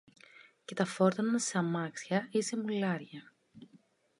και τα φόρτωναν σε αμάξια ή σε μουλάρια